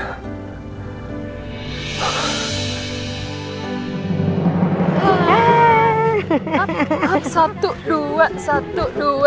apa apa satu dua satu dua